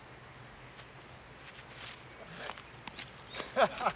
ハハハハ。